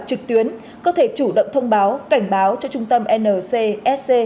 trực tuyến có thể chủ động thông báo cảnh báo cho trung tâm ncsc